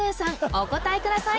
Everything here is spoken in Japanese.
お答えください